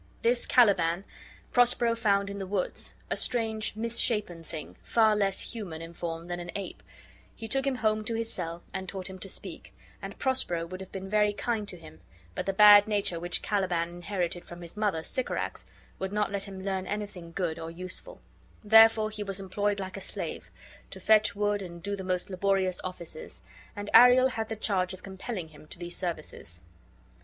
This Caliban, Prospero found in the woods, a strange misshapen thing, far less human in form than an ape: he took him home to his cell, and taught him to speak; and Prospero would have been very kind to him, but the bad nature which Caliban inherited from his mother, Sycorax, would not let him learn anything good or useful: therefore he was employed like a slave, to fetch wood and do the most laborious offices; and Ariel had the charge of compelling him to these services.